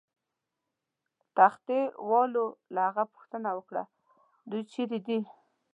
تختې والاو له هغه پوښتنه وکړه: دوی چیرې دي؟